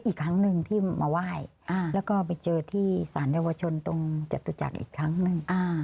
อีกครั้งหนึ่งที่มาไหว้แล้วก็ไปเจอที่สารเยาวชนตรงจตุจักรอีกครั้งหนึ่ง